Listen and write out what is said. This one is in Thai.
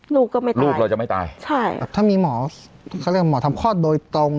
ลูกก็ไม่ตายลูกเราจะไม่ตายใช่ถ้ามีหมอเขาเรียกหมอทำคลอดโดยตรง